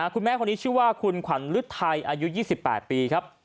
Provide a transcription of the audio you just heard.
คุณแม่คนนี้ชื่อว่าคุณขวัญฤทัยอายุ๒๘ปีครับ